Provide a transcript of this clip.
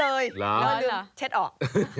แล้วลืมเช็ดออกแหม่แล้วลืมเช็ดออก